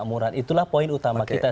dan kemampuan itulah poin utama kita